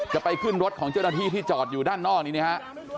ไปขึ้นรถของเจ้าหน้าที่ที่จอดอยู่ด้านนอกนี้นะฮะ